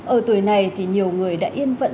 ở tuổi này thì nhiều người đã yên phận